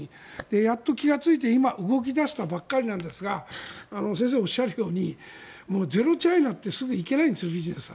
やっと気がついて今動き出したばかりなんですが先生がおっしゃるようにゼロチャイナってすぐに行けないんですよビジネスは。